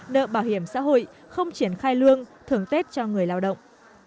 nợ bảo hiểm xã hội không triển khai lương thưởng tết cho người lao động